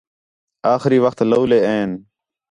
آخری وخت لَولے این